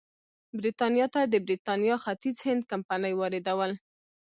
برېټانیا ته د برېټانیا ختیځ هند کمپنۍ واردول.